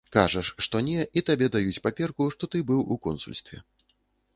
Кажаш, што не, і табе даюць паперку, што ты быў у консульстве.